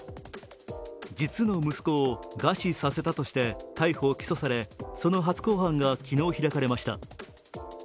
実の息子を餓死させたとして逮捕・起訴されその初公判が昨日開かれました。